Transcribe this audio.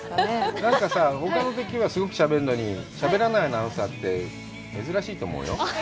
なんかさぁ、ほかのときはすごくしゃべるのに、しゃべらないアナウンサーって珍しいと思うよ。